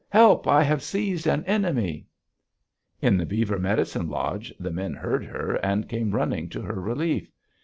Help! I have seized an enemy!" In the beaver medicine lodge the men heard her and came running to her relief.